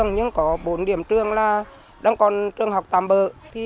nhưng đến nay